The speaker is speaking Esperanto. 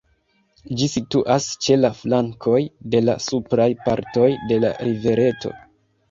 Ĝi situas ĉe la flankoj de la supraj partoj de la rivereto.